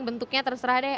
bentuknya terserah deh